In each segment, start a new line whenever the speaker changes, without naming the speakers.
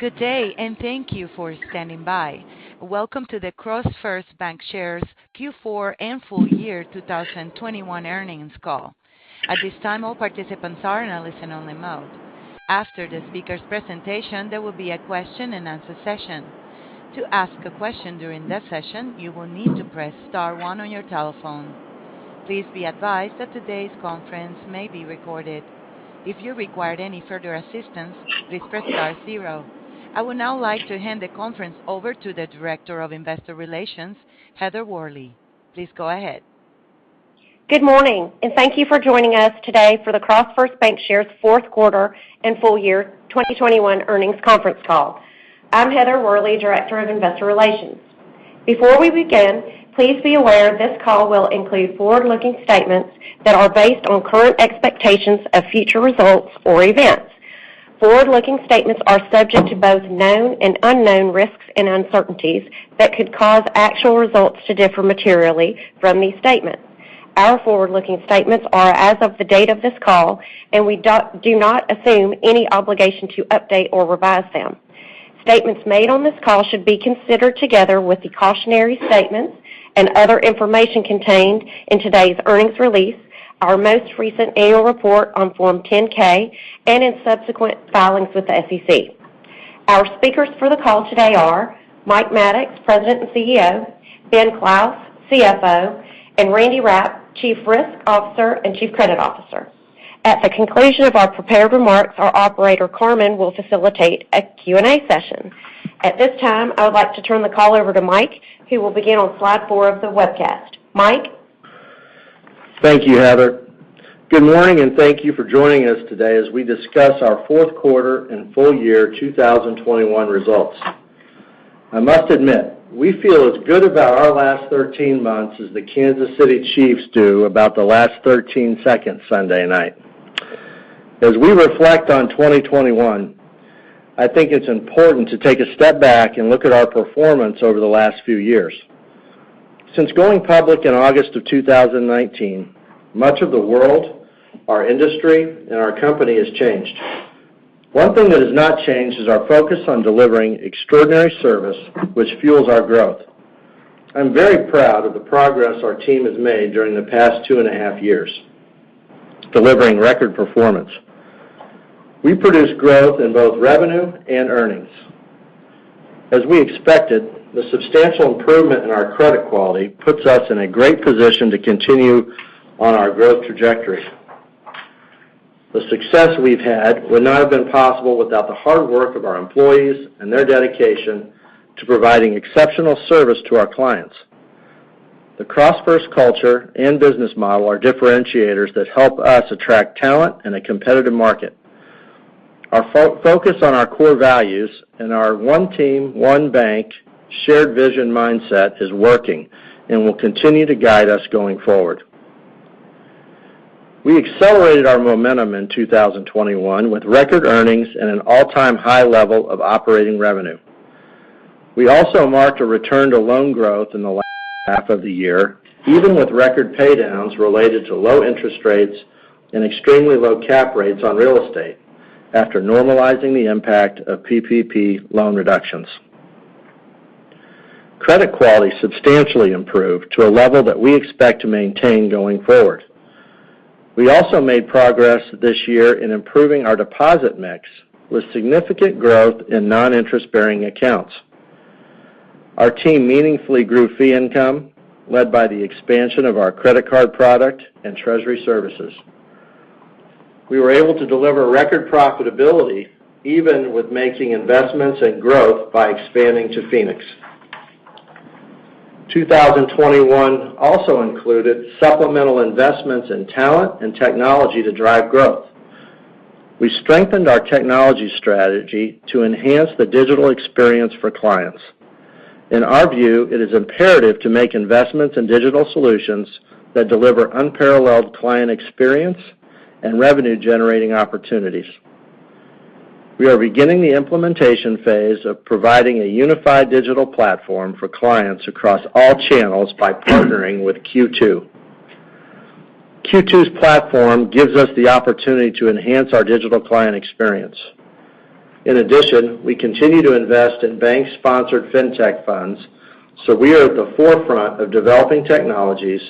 Good day, and thank you for standing by. Welcome to the CrossFirst Bankshares Q4 and full year 2021 earnings call. At this time, all participants are in a listen-only mode. After the speaker's presentation, there will be a question-and-answer session. To ask a question during that session, you will need to press star one on your telephone. Please be advised that today's conference may be recorded. If you require any further assistance, please press star zero. I would now like to hand the conference over to the Director of Investor Relations, Heather Worley. Please go ahead.
Good morning, and thank you for joining us today for the CrossFirst Bankshares fourth quarter and full year 2021 earnings conference call. I'm Heather Worley, Director of Investor Relations. Before we begin, please be aware this call will include forward-looking statements that are based on current expectations of future results or events. Forward-looking statements are subject to both known and unknown risks and uncertainties that could cause actual results to differ materially from these statements. Our forward-looking statements are as of the date of this call, and we do not assume any obligation to update or revise them. Statements made on this call should be considered together with the cautionary statements and other information contained in today's earnings release, our most recent annual report on Form 10-K, and in subsequent filings with the SEC. Our speakers for the call today are Mike Maddox, President and CEO, Ben Clouse, CFO, and Randy Rapp, Chief Risk Officer and Chief Credit Officer. At the conclusion of our prepared remarks, our operator, Carmen, will facilitate a Q&A session. At this time, I would like to turn the call over to Mike, who will begin on slide four of the webcast. Mike?
Thank you, Heather. Good morning, and thank you for joining us today as we discuss our fourth quarter and full year 2021 results. I must admit, we feel as good about our last 13 months as the Kansas City Chiefs do about the last 13 seconds Sunday night. As we reflect on 2021, I think it's important to take a step back and look at our performance over the last few years. Since going public in August of 2019, much of the world, our industry, and our company has changed. One thing that has not changed is our focus on delivering extraordinary service which fuels our growth. I'm very proud of the progress our team has made during the past 2.5 years, delivering record performance. We produced growth in both revenue and earnings. As we expected, the substantial improvement in our credit quality puts us in a great position to continue on our growth trajectory. The success we've had would not have been possible without the hard work of our employees and their dedication to providing exceptional service to our clients. The CrossFirst culture and business model are differentiators that help us attract talent in a competitive market. Our focus on our core values and our one team, one bank shared vision mindset is working and will continue to guide us going forward. We accelerated our momentum in 2021 with record earnings and an all-time high level of operating revenue. We also marked a return to loan growth in the last half of the year, even with record pay downs related to low interest rates and extremely low cap rates on real estate after normalizing the impact of PPP loan reductions. Credit quality substantially improved to a level that we expect to maintain going forward. We also made progress this year in improving our deposit mix with significant growth in non-interest-bearing accounts. Our team meaningfully grew fee income led by the expansion of our credit card product and treasury services. We were able to deliver record profitability even with making investments and growth by expanding to Phoenix. 2021 also included supplemental investments in talent and technology to drive growth. We strengthened our technology strategy to enhance the digital experience for clients. In our view, it is imperative to make investments in digital solutions that deliver unparalleled client experience and revenue-generating opportunities. We are beginning the implementation phase of providing a unified digital platform for clients across all channels by partnering with Q2. Q2's platform gives us the opportunity to enhance our digital client experience. In addition, we continue to invest in bank-sponsored fintech funds, so we are at the forefront of developing technologies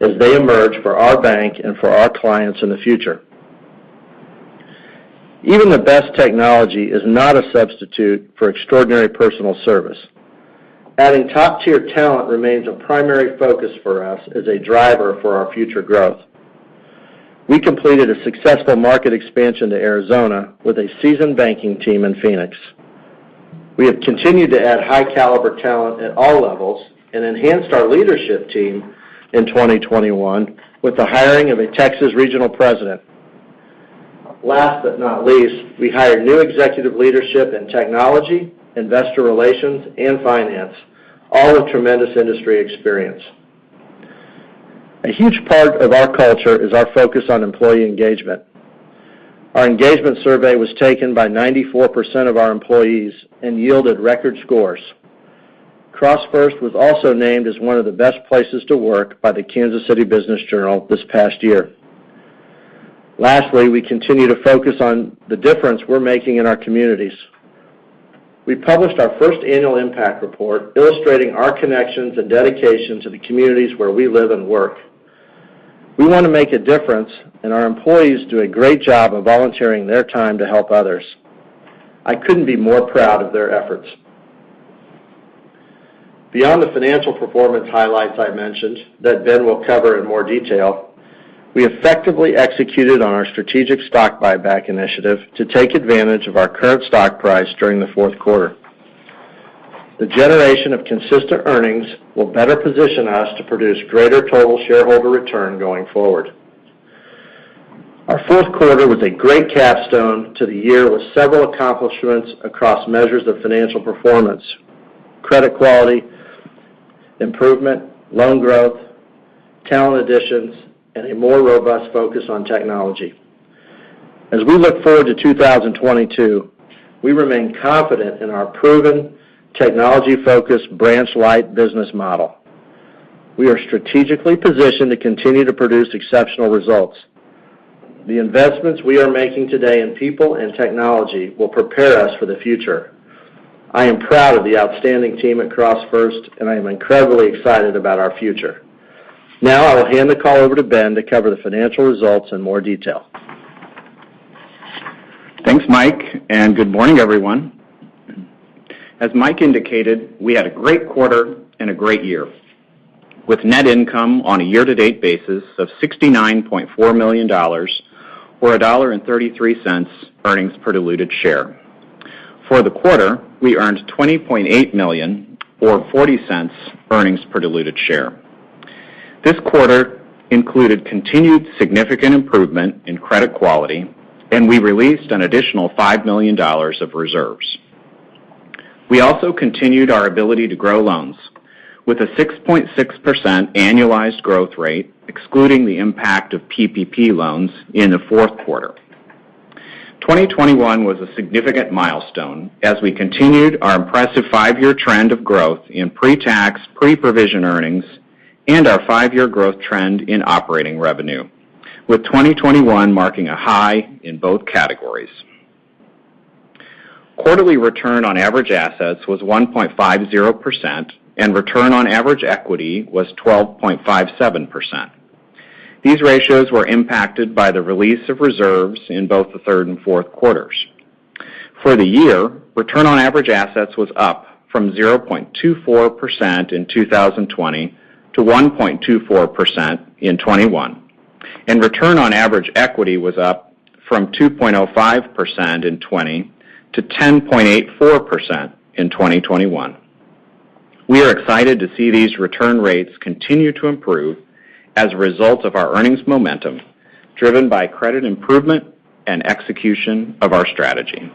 as they emerge for our bank and for our clients in the future. Even the best technology is not a substitute for extraordinary personal service. Adding top-tier talent remains a primary focus for us as a driver for our future growth. We completed a successful market expansion to Arizona with a seasoned banking team in Phoenix. We have continued to add high caliber talent at all levels and enhanced our leadership team in 2021 with the hiring of a Texas regional president. Last but not least, we hired new executive leadership in technology, investor relations, and finance, all with tremendous industry experience. A huge part of our culture is our focus on employee engagement. Our engagement survey was taken by 94% of our employees and yielded record scores. CrossFirst was also named as one of the best places to work by the Kansas City Business Journal this past year. Lastly, we continue to focus on the difference we're making in our communities. We published our first annual impact report illustrating our connections and dedication to the communities where we live and work. We wanna make a difference, and our employees do a great job of volunteering their time to help others. I couldn't be more proud of their efforts. Beyond the financial performance highlights I mentioned that Ben will cover in more detail, we effectively executed on our strategic stock buyback initiative to take advantage of our current stock price during the fourth quarter. The generation of consistent earnings will better position us to produce greater total shareholder return going forward. Our fourth quarter was a great capstone to the year with several accomplishments across measures of financial performance, credit quality, improvement, loan growth, talent additions, and a more robust focus on technology. As we look forward to 2022, we remain confident in our proven technology-focused branch light business model. We are strategically positioned to continue to produce exceptional results. The investments we are making today in people and technology will prepare us for the future. I am proud of the outstanding team at CrossFirst, and I am incredibly excited about our future. Now, I will hand the call over to Ben to cover the financial results in more detail.
Thanks, Mike, and good morning, everyone. As Mike indicated, we had a great quarter and a great year, with net income on a year-to-date basis of $69.4 million or $1.33 earnings per diluted share. For the quarter, we earned $20.8 million or $0.40 earnings per diluted share. This quarter included continued significant improvement in credit quality, and we released an additional $5 million of reserves. We also continued our ability to grow loans with a 6.6% annualized growth rate, excluding the impact of PPP loans in the fourth quarter. 2021 was a significant milestone as we continued our impressive 5-year trend of growth in pre-tax, pre-provision earnings and our 5-year growth trend in operating revenue, with 2021 marking a high in both categories. Quarterly return on average assets was 1.50%, and return on average equity was 12.57%. These ratios were impacted by the release of reserves in both the third and fourth quarters. For the year, return on average assets was up from 0.24% in 2020 to 1.24% in 2021. Return on average equity was up from 2.05% in 2020 to 10.84% in 2021. We are excited to see these return rates continue to improve as a result of our earnings momentum, driven by credit improvement and execution of our strategy.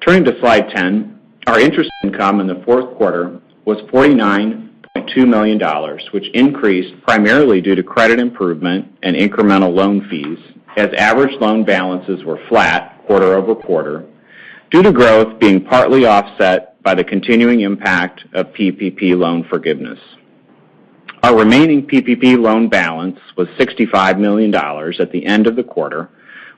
Turning to slide 10, our interest income in the fourth quarter was $49.2 million, which increased primarily due to credit improvement and incremental loan fees, as average loan balances were flat quarter-over-quarter due to growth being partly offset by the continuing impact of PPP loan forgiveness. Our remaining PPP loan balance was $65 million at the end of the quarter,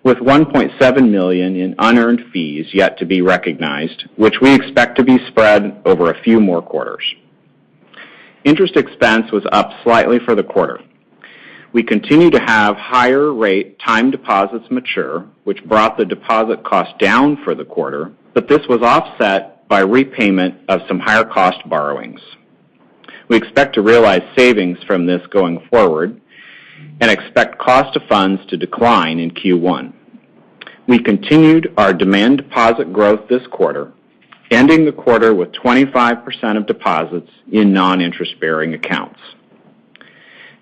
with $1.7 million in unearned fees yet to be recognized, which we expect to be spread over a few more quarters. Interest expense was up slightly for the quarter. We continue to have higher rate time deposits mature, which brought the deposit cost down for the quarter, but this was offset by repayment of some higher cost borrowings. We expect to realize savings from this going forward and expect cost of funds to decline in Q1. We continued our demand deposit growth this quarter, ending the quarter with 25% of deposits in non-interest-bearing accounts.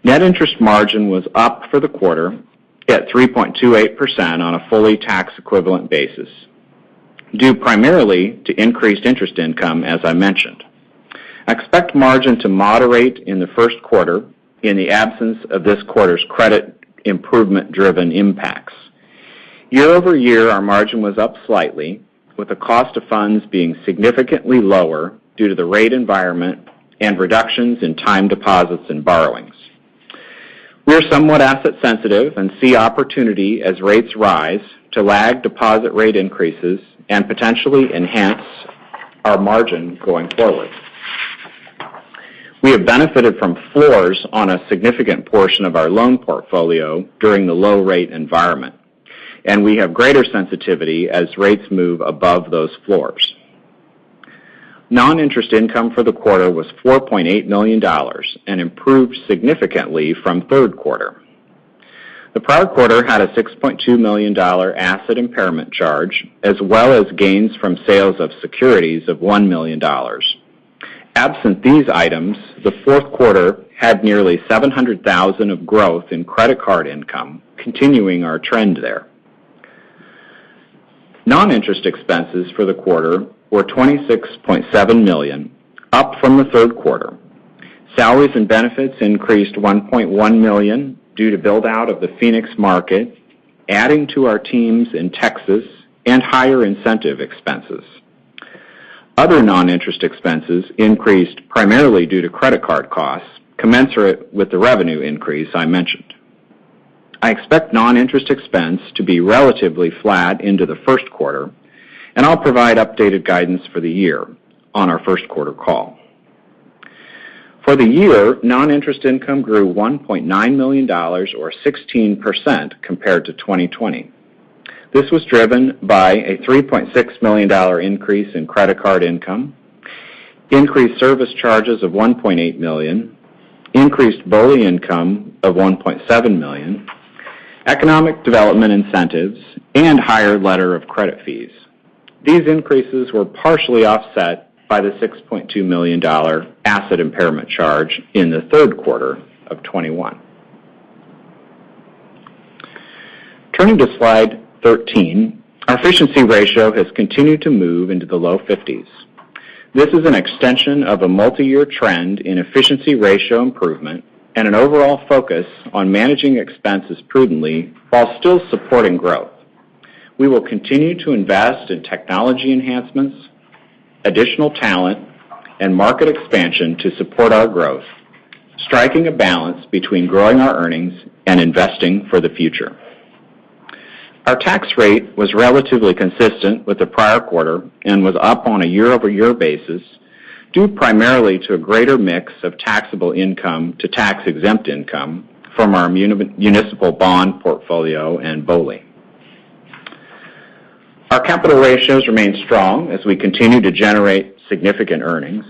Net interest margin was up for the quarter at 3.28% on a fully tax equivalent basis, due primarily to increased interest income, as I mentioned. Expect margin to moderate in the first quarter in the absence of this quarter's credit improvement-driven impacts. Year-over-year, our margin was up slightly, with the cost of funds being significantly lower due to the rate environment and reductions in time deposits and borrowings. We are somewhat asset sensitive and see opportunity as rates rise to lag deposit rate increases and potentially enhance our margin going forward. We have benefited from floors on a significant portion of our loan portfolio during the low rate environment, and we have greater sensitivity as rates move above those floors. Non-interest income for the quarter was $4.8 million and improved significantly from third quarter. The prior quarter had a $6.2 million asset impairment charge as well as gains from sales of securities of $1 million. Absent these items, the fourth quarter had nearly $700,000 of growth in credit card income, continuing our trend there. Non-interest expenses for the quarter were $26.7 million, up from the third quarter. Salaries and benefits increased $1.1 million due to build out of the Phoenix market, adding to our teams in Texas and higher incentive expenses. Other non-interest expenses increased primarily due to credit card costs commensurate with the revenue increase I mentioned. I expect non-interest expense to be relatively flat into the first quarter, and I'll provide updated guidance for the year on our first quarter call. For the year, non-interest income grew $1.9 million or 16% compared to 2020. This was driven by a $3.6 million increase in credit card income, increased service charges of $1.8 million, increased BOLI income of $1.7 million, economic development incentives, and higher letter of credit fees. These increases were partially offset by the $6.2 million asset impairment charge in the third quarter of 2021. Turning to Slide 13. Our efficiency ratio has continued to move into the low 50s. This is an extension of a multi-year trend in efficiency ratio improvement and an overall focus on managing expenses prudently while still supporting growth. We will continue to invest in technology enhancements, additional talent and market expansion to support our growth. Striking a balance between growing our earnings and investing for the future. Our tax rate was relatively consistent with the prior quarter and was up on a year-over-year basis, due primarily to a greater mix of taxable income to tax-exempt income from our municipal bond portfolio and BOLI. Our capital ratios remain strong as we continue to generate significant earnings.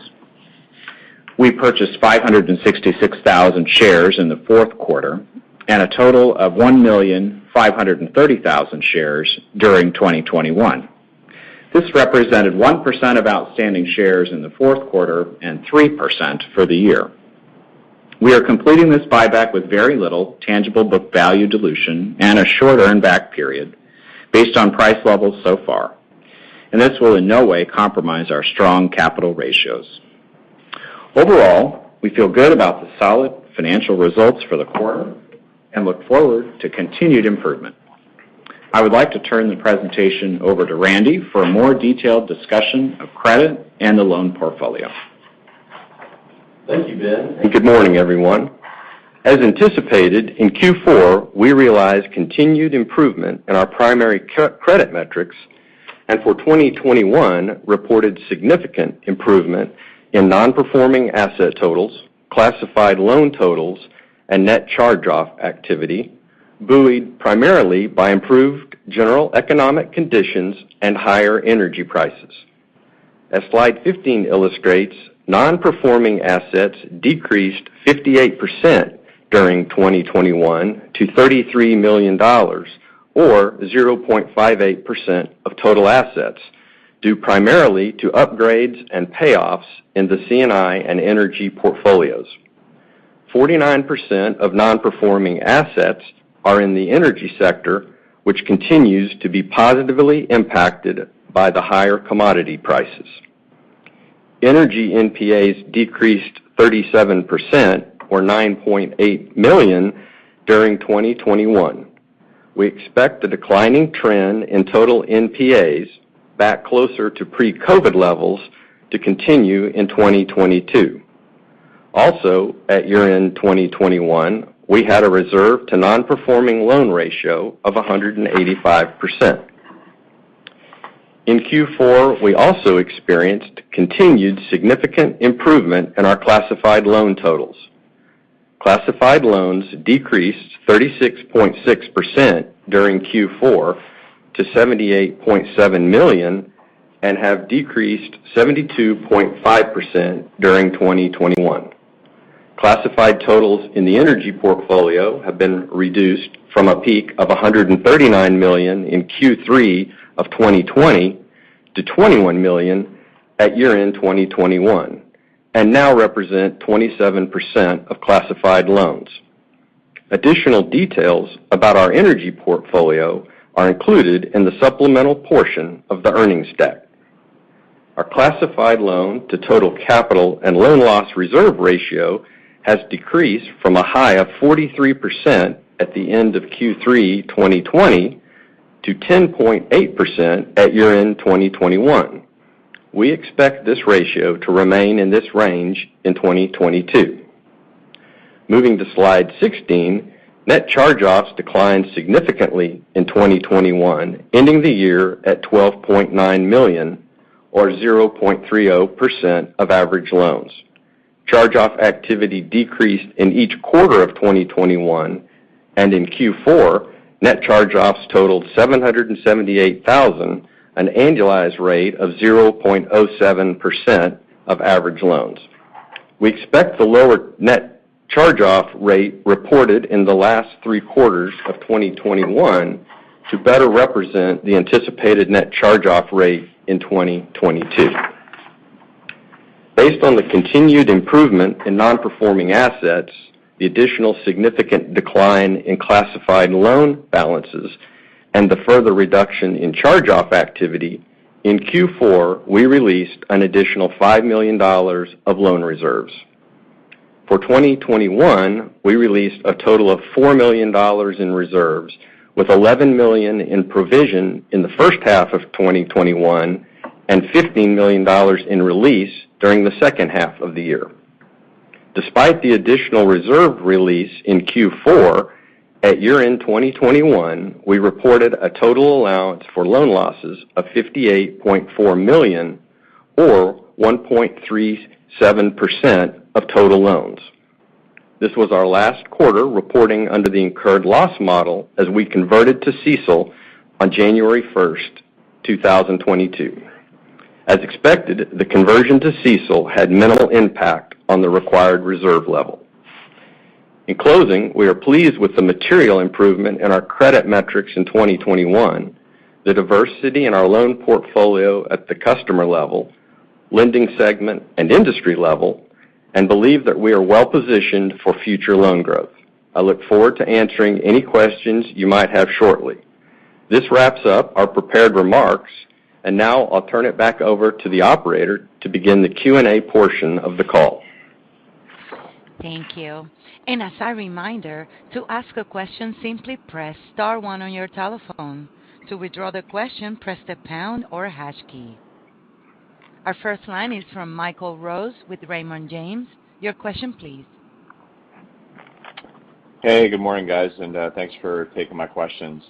We purchased 566,000 shares in the fourth quarter and a total of 1,530,000 shares during 2021. This represented 1% of outstanding shares in the fourth quarter and 3% for the year. We are completing this buyback with very little tangible book value dilution and a short earn back period based on price levels so far, and this will in no way compromise our strong capital ratios. Overall, we feel good about the solid financial results for the quarter and look forward to continued improvement. I would like to turn the presentation over to Randy for a more detailed discussion of credit and the loan portfolio.
Thank you, Ben, and good morning, everyone. As anticipated, in Q4, we realized continued improvement in our primary credit metrics and for 2021 reported significant improvement in non-performing asset totals, classified loan totals and net charge-off activity, buoyed primarily by improved general economic conditions and higher energy prices. As Slide 15 illustrates, non-performing assets decreased 58% during 2021 to $33 million or 0.58% of total assets, due primarily to upgrades and payoffs in the C&I and energy portfolios. 49% of non-performing assets are in the energy sector, which continues to be positively impacted by the higher commodity prices. Energy NPAs decreased 37%, or $9.8 million during 2021. We expect the declining trend in total NPAs back closer to pre-COVID levels to continue in 2022. Also, at year-end 2021, we had a reserve to non-performing loan ratio of 185%. In Q4, we also experienced continued significant improvement in our classified loan totals. Classified loans decreased 36.6% during Q4 to $78.7 million and have decreased 72.5% during 2021. Classified totals in the energy portfolio have been reduced from a peak of $139 million in Q3 of 2020 to $21 million at year-end 2021, and now represent 27% of classified loans. Additional details about our energy portfolio are included in the supplemental portion of the earnings deck. Our classified loan to total capital and loan loss reserve ratio has decreased from a high of 43% at the end of Q3 2020 to 10.8% at year-end 2021. We expect this ratio to remain in this range in 2022. Moving to Slide 16. Net charge-offs declined significantly in 2021, ending the year at $12.9 million, or 0.30% of average loans. Charge-off activity decreased in each quarter of 2021, and in Q4, net charge-offs totaled $778,000, an annualized rate of 0.07% of average loans. We expect the lower net charge-off rate reported in the last three quarters of 2021 to better represent the anticipated net charge-off rate in 2022. Based on the continued improvement in non-performing assets, the additional significant decline in classified loan balances The further reduction in charge-off activity, in Q4, we released an additional $5 million of loan reserves. For 2021, we released a total of $4 million in reserves, with $11 million in provision in the first half of 2021 and $15 million in release during the second half of the year. Despite the additional reserve release in Q4, at year-end 2021, we reported a total allowance for loan losses of $58.4 million or 1.37% of total loans. This was our last quarter reporting under the incurred loss model as we converted to CECL on January 1, 2022. As expected, the conversion to CECL had minimal impact on the required reserve level. In closing, we are pleased with the material improvement in our credit metrics in 2021, the diversity in our loan portfolio at the customer level, lending segment, and industry level, and believe that we are well-positioned for future loan growth. I look forward to answering any questions you might have shortly. This wraps up our prepared remarks, and now I'll turn it back over to the operator to begin the Q&A portion of the call.
Thank you. As a reminder, to ask a question, simply press star one on your telephone. To withdraw the question, press the pound or hash key. Our first line is from Michael Rose with Raymond James. Your question, please.
Hey, good morning, guys, and thanks for taking my questions.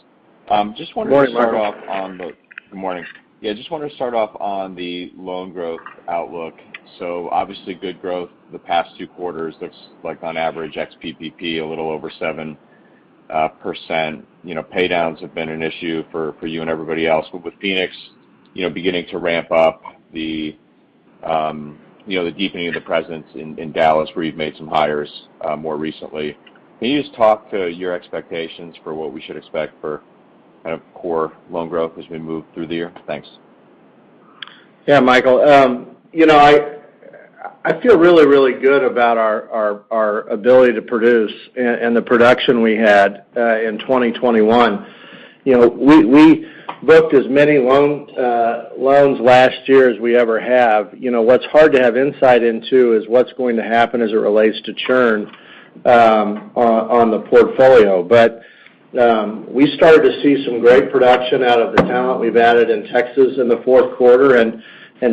Just wanted to start off on the-
Good morning.
Good morning. Yeah, just wanted to start off on the loan growth outlook. Obviously, good growth the past two quarters. Looks like on average ex-PPP, a little over 7%. You know, paydowns have been an issue for you and everybody else. With Phoenix, you know, beginning to ramp up the you know the deepening of the presence in Dallas, where you've made some hires more recently, can you just talk to your expectations for what we should expect for kind of core loan growth as we move through the year? Thanks.
Yeah, Michael, you know, I feel really good about our ability to produce and the production we had in 2021. You know, we booked as many loans last year as we ever have. You know, what's hard to have insight into is what's going to happen as it relates to churn on the portfolio. We started to see some great production out of the talent we've added in Texas in the fourth quarter, and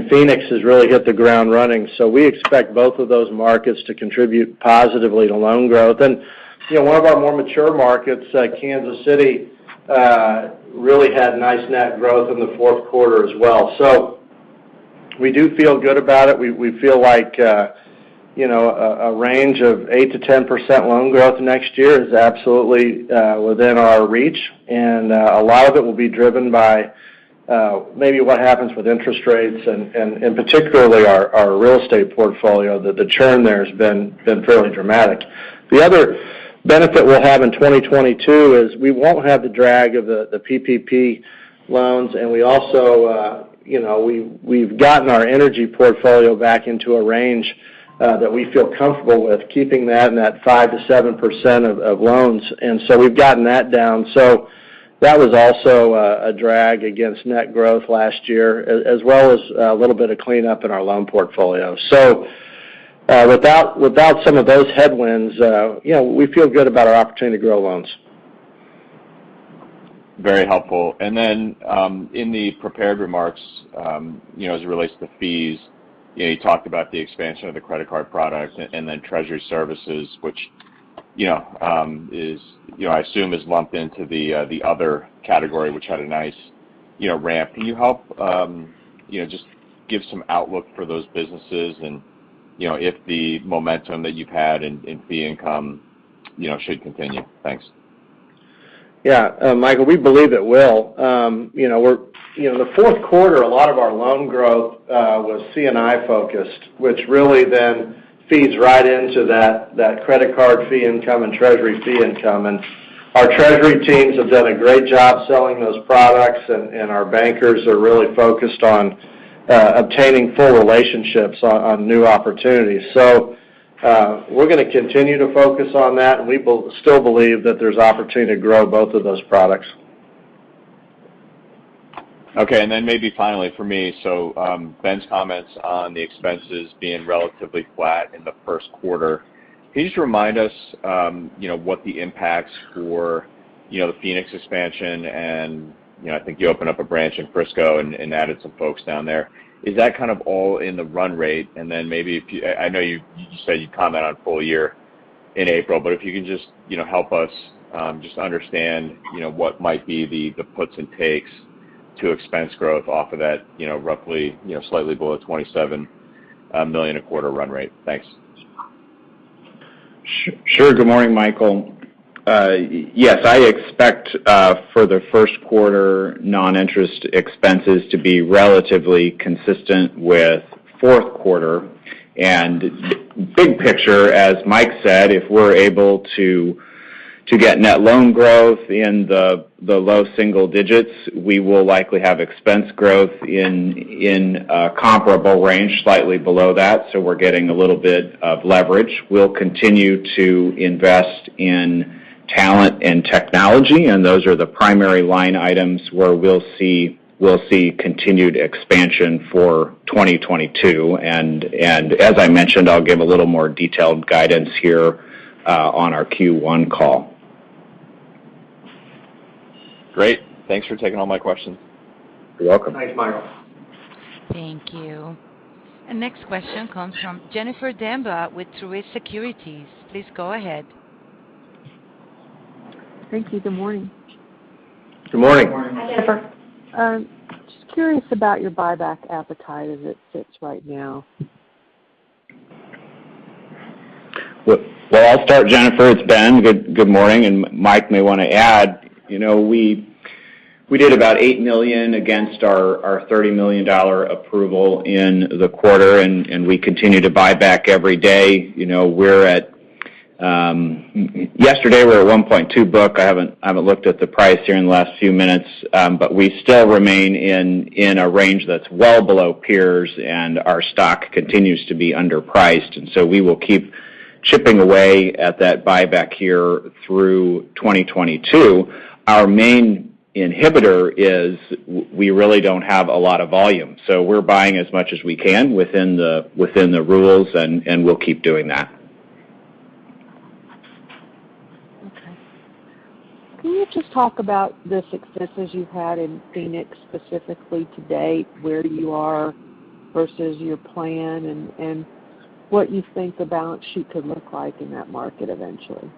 Phoenix has really hit the ground running. We expect both of those markets to contribute positively to loan growth. You know, one of our more mature markets, Kansas City, really had nice net growth in the fourth quarter as well. We do feel good about it. We feel like, you know, a range of 8%-10% loan growth next year is absolutely within our reach. A lot of it will be driven by maybe what happens with interest rates and particularly our real estate portfolio, that the churn there has been fairly dramatic. The other benefit we'll have in 2022 is we won't have the drag of the PPP loans, and we also, you know, we've gotten our energy portfolio back into a range that we feel comfortable with keeping that in that 5%-7% of loans. We've gotten that down. That was also a drag against net growth last year, as well as a little bit of cleanup in our loan portfolio. Without some of those headwinds, you know, we feel good about our opportunity to grow loans.
Very helpful. Then, in the prepared remarks, you know, as it relates to fees, you know, you talked about the expansion of the credit card products and then treasury services, which, you know, is, you know, I assume is lumped into the other category, which had a nice, you know, ramp. Can you help, you know, just give some outlook for those businesses and, you know, if the momentum that you've had in fee income, you know, should continue? Thanks.
Yeah. Michael, we believe it will. You know, the fourth quarter, a lot of our loan growth was C&I-focused, which really then feeds right into that credit card fee income and treasury fee income. Our treasury teams have done a great job selling those products and our bankers are really focused on obtaining full relationships on new opportunities. We're gonna continue to focus on that, and we still believe that there's opportunity to grow both of those products.
Okay. Maybe finally for me, Ben's comments on the expenses being relatively flat in the first quarter. Can you just remind us, you know, what the impacts for, you know, the Phoenix expansion and, you know, I think you opened up a branch in Frisco and added some folks down there. Is that kind of all in the run rate? Maybe if you, I know you said you'd comment on full year in April, but if you can just, you know, help us, just understand, you know, what might be the puts and takes to expense growth off of that, you know, roughly, you know, slightly below $27 million a quarter run rate. Thanks.
Sure. Good morning, Michael. Yes, I expect for the first quarter non-interest expenses to be relatively consistent with fourth quarter. Big picture, as Mike said, if we're able to get net loan growth in the low single digits, we will likely have expense growth in a comparable range, slightly below that. We're getting a little bit of leverage. We'll continue to invest in talent and technology, and those are the primary line items where we'll see continued expansion for 2022. As I mentioned, I'll give a little more detailed guidance here on our Q1 call.
Great. Thanks for taking all my questions.
You're welcome.
Thanks, Michael.
Thank you. The next question comes from Jennifer Demba with Truist Securities. Please go ahead.
Thank you. Good morning.
Good morning.
Good morning.
Hi, Jennifer.
Just curious about your buyback appetite as it sits right now.
Well, I'll start, Jennifer, it's Ben. Good morning, and Mike may wanna add. You know, we did about $8 million against our $30 million approval in the quarter, and we continue to buy back every day. You know, yesterday we were at 1.2 book. I haven't looked at the price here in the last few minutes, but we still remain in a range that's well below peers, and our stock continues to be underpriced. We will keep chipping away at that buyback here through 2022. Our main inhibitor is we really don't have a lot of volume. We're buying as much as we can within the rules, and we'll keep doing that.
Okay. Can you just talk about the successes you've had in Phoenix, specifically to date, where you are versus your plan and what you think the balance sheet could look like in that market eventually?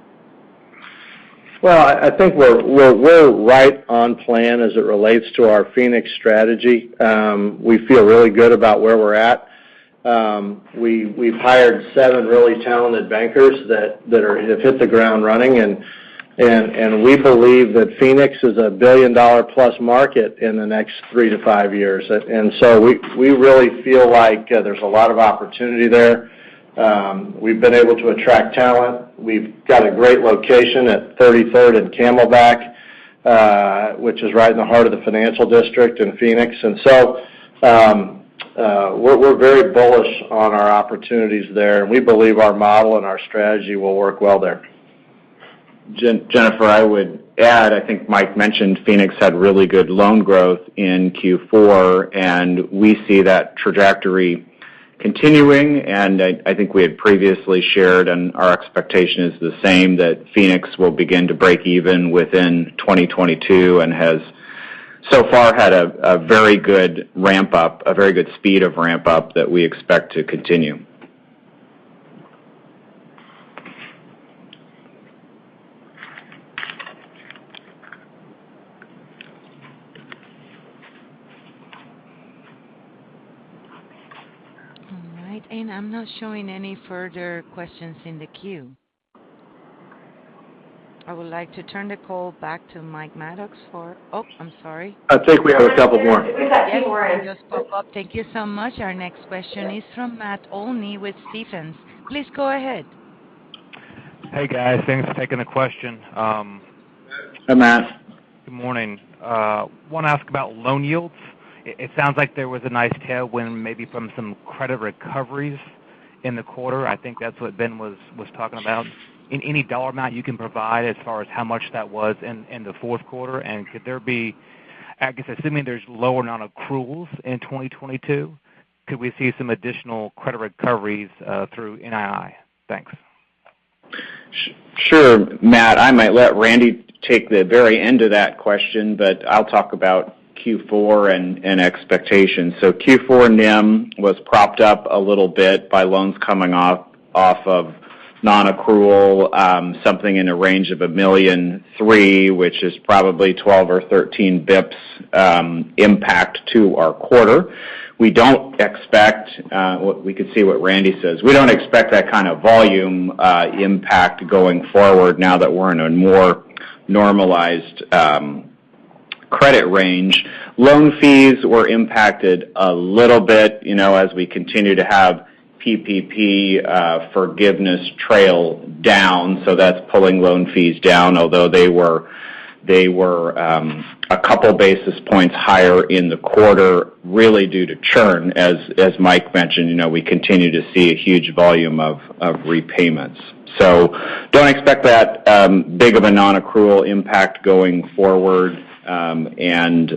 Well, I think we're right on plan as it relates to our Phoenix strategy. We feel really good about where we're at. We've hired seven really talented bankers that have hit the ground running and we believe that Phoenix is a billion-dollar-plus market in the next three to five years. We really feel like there's a lot of opportunity there. We've been able to attract talent. We've got a great location at 33rd and Camelback, which is right in the heart of the financial district in Phoenix. We're very bullish on our opportunities there. We believe our model and our strategy will work well there.
Jennifer, I would add, I think Mike mentioned Phoenix had really good loan growth in Q4, and we see that trajectory continuing. I think we had previously shared, and our expectation is the same, that Phoenix will begin to break even within 2022 and has so far had a very good ramp up, a very good speed of ramp up that we expect to continue.
All right. I'm not showing any further questions in the queue. I would like to turn the call back to Mike Maddox. Oh, I'm sorry.
I think we have a couple more.
Yeah. I just spoke up. Thank you so much. Our next question is from Matt Olney with Stephens. Please go ahead.
Hey, guys. Thanks for taking the question.
Hi, Matt.
Good morning. I want to ask about loan yields. It sounds like there was a nice tailwind maybe from some credit recoveries in the quarter. I think that's what Ben was talking about. Any dollar amount you can provide as far as how much that was in the fourth quarter. Could there be, I guess, assuming there's lower non-accruals in 2022, could we see some additional credit recoveries through NII? Thanks.
Sure, Matt. I might let Randy take the very end of that question, but I'll talk about Q4 and expectations. Q4 NIM was propped up a little bit by loans coming off of non-accrual, something in a range of $1.3 million, which is probably 12 or 13 basis points impact to our quarter. We could see what Randy says, we don't expect that kind of volume impact going forward now that we're in a more normalized credit range. Loan fees were impacted a little bit, you know, as we continue to have PPP forgiveness trailing down, so that's pulling loan fees down. Although they were a couple basis points higher in the quarter, really due to churn. As Mike mentioned, you know, we continue to see a huge volume of repayments. Don't expect that big of a non-accrual impact going forward, and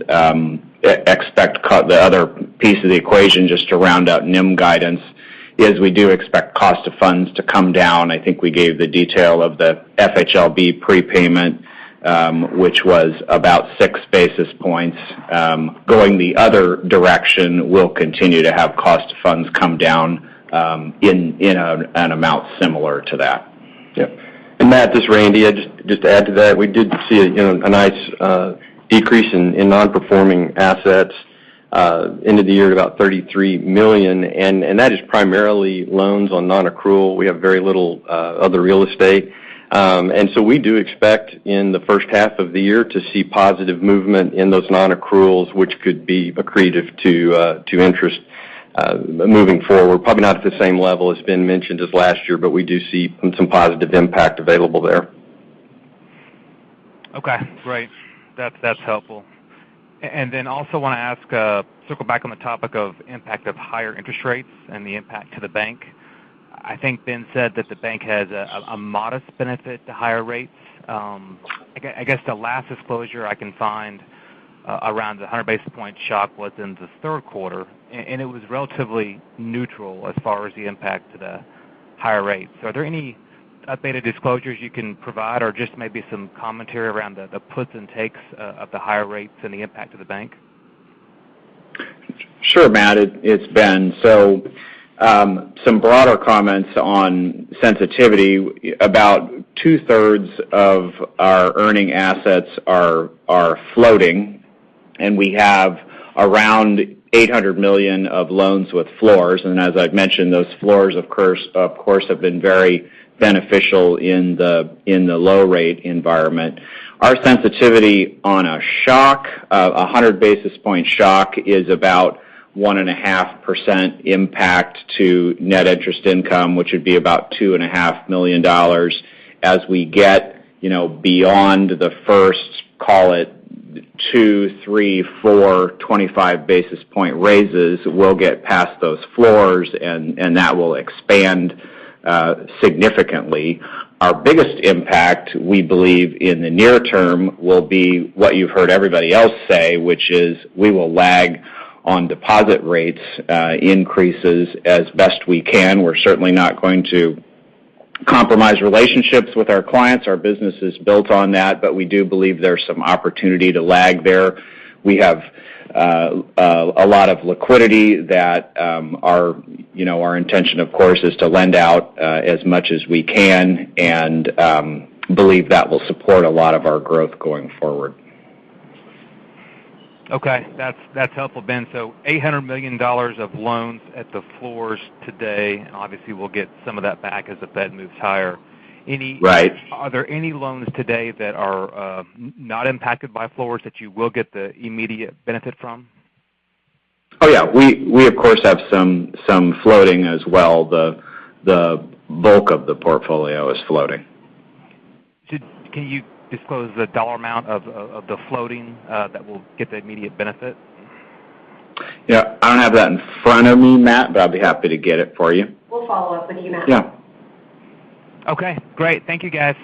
expect the other piece of the equation just to round out NIM guidance, is we do expect cost of funds to come down. I think we gave the detail of the FHLB prepayment, which was about six basis points. Going the other direction, we'll continue to have cost of funds come down, in an amount similar to that.
Yeah. Matt, this is Randy. Just to add to that, we did see a you know a nice decrease in non-performing assets at end of the year, about $33 million, and that is primarily loans on non-accrual. We have very little other real estate. We do expect in the first half of the year to see positive movement in those non-accruals, which could be accretive to interest moving forward. Probably not at the same level as Ben mentioned as last year, but we do see some positive impact available there.
Okay, great. That's helpful. I also wanna ask, circle back on the topic of impact of higher interest rates and the impact to the bank. I think Ben said that the bank has a modest benefit to higher rates. I guess the last disclosure I can find around the 100 basis point shock was in the third quarter, and it was relatively neutral as far as the impact to the higher rates. Are there any updated disclosures you can provide or just maybe some commentary around the puts and takes of the higher rates and the impact to the bank?
Sure, Matt, it's Ben. Some broader comments on sensitivity. About two-thirds of our earning assets are floating, and we have around $800 million of loans with floors. As I've mentioned, those floors, of course, have been very beneficial in the low rate environment. Our sensitivity on a shock, a 100 basis point shock is about 1.5% impact to net interest income, which would be about $2.5 million. As we get, you know, beyond the first, call it, two, three, four, 25 basis point raises, we'll get past those floors and that will expand significantly. Our biggest impact, we believe in the near term, will be what you've heard everybody else say, which is we will lag on deposit rate increases as best we can. We're certainly not going to compromise relationships with our clients. Our business is built on that, but we do believe there's some opportunity to lag there. We have a lot of liquidity that our you know our intention of course is to lend out as much as we can and believe that will support a lot of our growth going forward.
Okay, that's helpful, Ben. $800 million of loans at the floors today, and obviously we'll get some of that back as the Fed moves higher. Any-
Right.
Are there any loans today that are not impacted by floors that you will get the immediate benefit from?
Oh, yeah. We of course have some floating as well. The bulk of the portfolio is floating.
Can you disclose the dollar amount of the floating that will get the immediate benefit?
Yeah. I don't have that in front of me, Matt, but I'd be happy to get it for you.
We'll follow up with you, Matt.
Yeah.
Okay, great. Thank you, guys.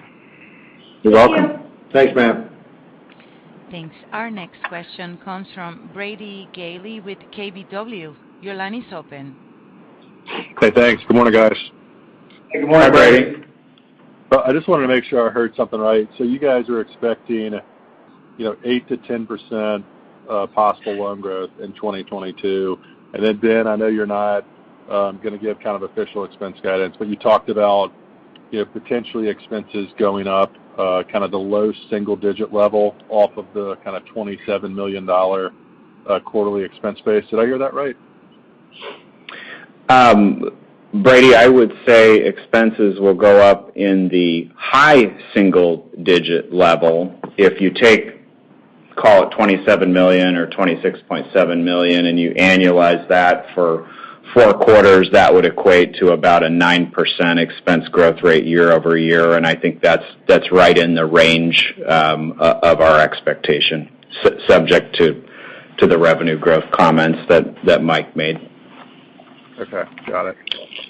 You're welcome.
Thank you.
Thanks, Matt.
Thanks. Our next question comes from Brady Gailey with KBW. Your line is open.
Hey, thanks. Good morning, guys.
Good morning, Brady.
I just wanted to make sure I heard something right. You guys are expecting, you know, 8%-10% possible loan growth in 2022. Ben, I know you're not gonna give kind of official expense guidance, but you talked about, you know, potentially expenses going up kind of the low single digit level off of the kinda $27 million quarterly expense base. Did I hear that right?
Brady, I would say expenses will go up in the high single digit level. If you take, call it $27 million or $26.7 million, and you annualize that for four quarters, that would equate to about a 9% expense growth rate year-over-year. I think that's right in the range of our expectation subject to the revenue growth comments that Mike made.
Okay, got it.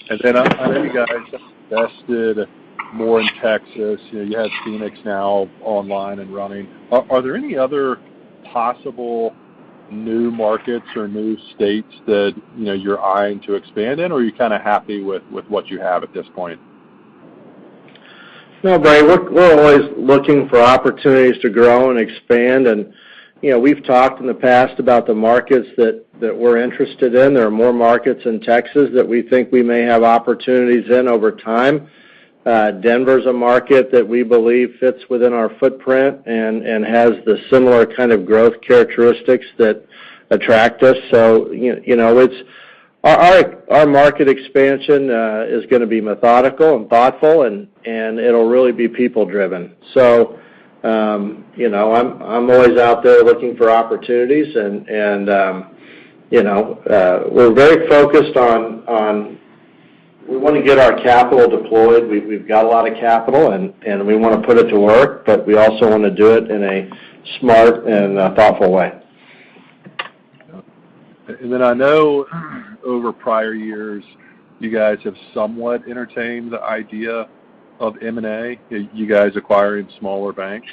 I know you guys invested more in Texas. You know, you have Phoenix now online and running. Are there any other possible new markets or new states that, you know, you're eyeing to expand in, or are you kinda happy with what you have at this point?
No, Brady. We're always looking for opportunities to grow and expand. You know, we've talked in the past about the markets that we're interested in. There are more markets in Texas that we think we may have opportunities in over time. Denver is a market that we believe fits within our footprint and has the similar kind of growth characteristics that attract us. You know, it's our market expansion is gonna be methodical and thoughtful, and it'll really be people driven. You know, I'm always out there looking for opportunities and you know, we're very focused on getting our capital deployed. We've got a lot of capital, and we wanna put it to work, but we also wanna do it in a smart and thoughtful way.
I know over prior years, you guys have somewhat entertained the idea of M&A, you guys acquiring smaller banks.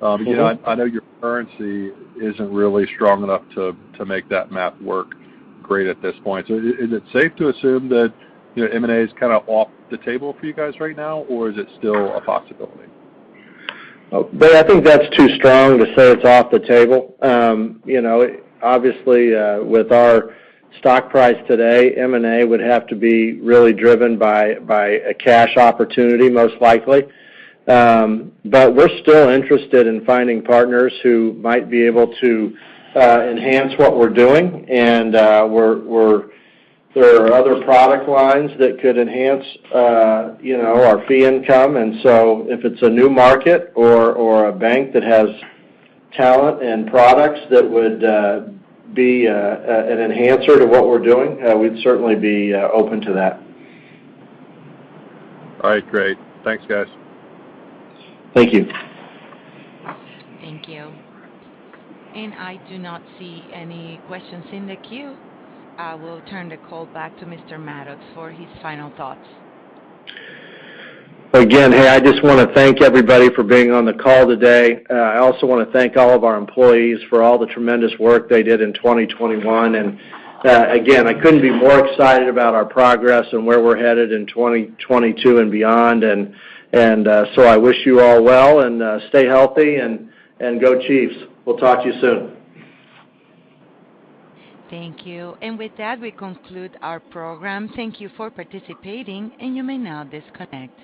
Again, I know your currency isn't really strong enough to make that math work great at this point. Is it safe to assume that, you know, M&A is kinda off the table for you guys right now, or is it still a possibility?
Brady, I think that's too strong to say it's off the table. You know, obviously, with our stock price today, M&A would have to be really driven by a cash opportunity, most likely. But we're still interested in finding partners who might be able to enhance what we're doing. There are other product lines that could enhance, you know, our fee income. If it's a new market or a bank that has talent and products that would be an enhancer to what we're doing, we'd certainly be open to that.
All right, great. Thanks, guys.
Thank you.
Thank you. I do not see any questions in the queue. I will turn the call back to Mr. Maddox for his final thoughts.
Hey, I just wanna thank everybody for being on the call today. I also wanna thank all of our employees for all the tremendous work they did in 2021. I couldn't be more excited about our progress and where we're headed in 2022 and beyond. I wish you all well, stay healthy, and go Chiefs. We'll talk to you soon.
Thank you. With that, we conclude our program. Thank you for participating, and you may now disconnect.